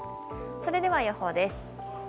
それでは予報です。